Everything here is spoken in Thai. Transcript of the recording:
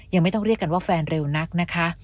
ยังไม่ต้องเรียกกันว่าแฟนเร็วนักนะคะ